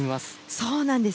そうなんです。